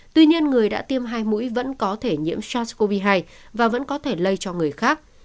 tuy nhiên người đã tiêm hai mũi vẫn có thể nhiễm sars cov hai và vẫn có thể lây cho người khác